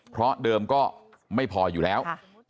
เพราะเดิมก็ไม่พออยู่แล้ว